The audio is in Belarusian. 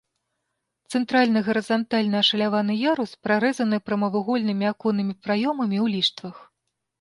Цэнтральны гарызантальна ашаляваны ярус прарэзаны прамавугольнымі аконнымі праёмамі ў ліштвах.